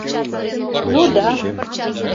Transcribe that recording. — Ну да!